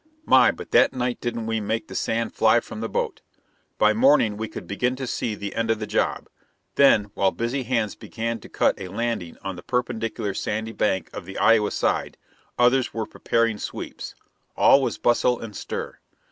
My, but that night didn't we make the sand fly from the boat! By morning we could begin to see the end of the job. Then, while busy hands began to cut a landing on the perpendicular sandy bank of the Iowa side, others were preparing sweeps. All was bustle and stir.